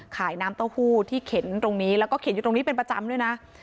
น้ำเต้าหู้ที่เข็นตรงนี้แล้วก็เข็นอยู่ตรงนี้เป็นประจำด้วยนะ